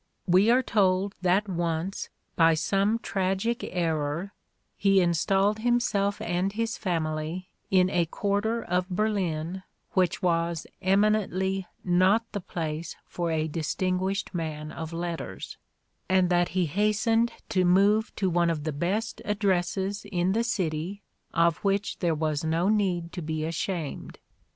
"We are told that once, by some tragic error, he installed himself and his family in a quarter of Ber lin which was "eminently not the place for a distin guished man of letters," and that he hastened to move to one of the best addresses in the city, of which "there was no need to be ashamed."